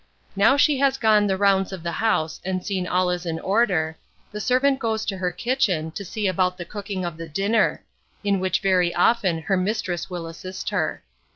Now she has gone the rounds of the house and seen that all is in order, the servant goes to her kitchen to see about the cooking of the dinner, in which very often her mistress will assist her.